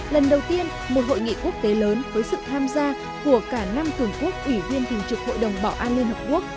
lần đầu tiên một hội nghị quốc tế lớn với sự tham gia của cả năm cường quốc ủy viên tình trực hội đồng bảo an liên hợp quốc